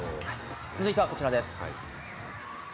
続いてはこちらです。